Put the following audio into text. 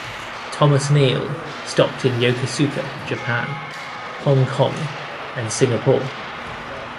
Thomas Neal, stopped in Yokosuka, Japan, Hong Kong and Singapore.